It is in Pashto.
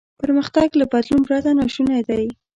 پرمختګ له بدلون پرته ناشونی دی.